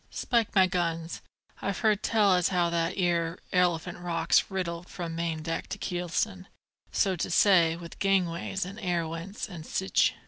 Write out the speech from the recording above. Spike my guns, I've heard tell as how that 'ere Elephant Rock's riddled from main deck to keelson, so to say, with gangways, and air wents, an' sich.